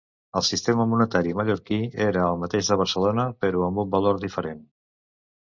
El sistema monetari mallorquí era el mateix de Barcelona, però amb un valor diferent.